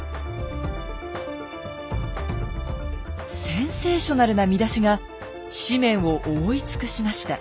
センセーショナルな見出しが紙面を覆い尽くしました。